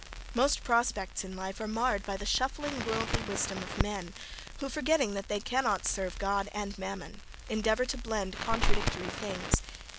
Most prospects in life are marred by the shuffling worldly wisdom of men, who, forgetting that they cannot serve God and mammon, endeavour to blend contradictory things.